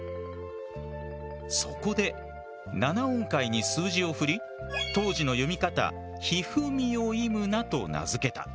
そこで７音階に数字を振り当時の読み方ヒフミヨイムナと名付けた。